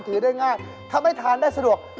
ถือได้ง่ายถ้าไม่ทานได้สะดวก